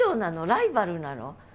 ライバルなの？